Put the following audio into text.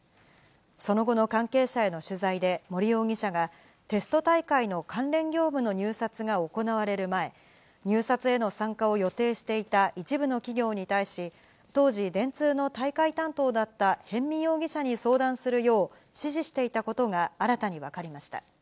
その後の関係者への取材で、森容疑者がテスト大会の関連業務の入札が行われる前、入札への参加を予定していた一部の企業に対し、当時、電通の大会担当だった逸見容疑者に相談するよう、指示していたことが新たに分かりました。